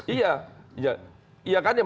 iya iya kan yang